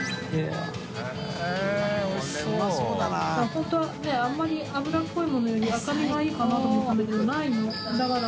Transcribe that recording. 本当はあんまり脂っこいものより嵜箸いいかなと思ったんだけどないのだから。